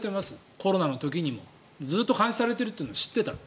コロナの時にもずっと監視されてるというのを知っていた。